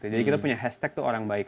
jadi kita punya hashtag tuh orang baik